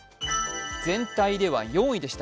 全体では４位でした。